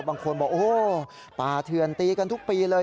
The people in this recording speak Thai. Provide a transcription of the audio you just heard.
บางคนบอกโอ้โหป่าเทือนตีกันทุกปีเลย